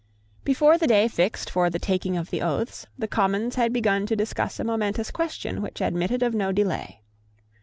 Before the day fixed for the taking of the oaths, the Commons had begun to discuss a momentous question which admitted of no delay.